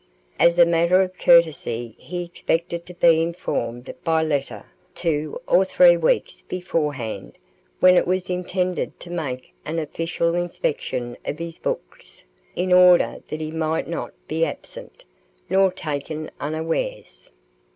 As a matter of courtesy he expected to be informed by letter two or three weeks beforehand when it was intended to make an official inspection of his books, in order that he might not be absent, nor taken unawares.